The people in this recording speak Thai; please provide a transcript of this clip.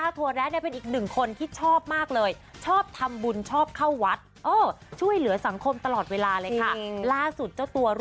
ของเป็นเด็กวัดแล้ว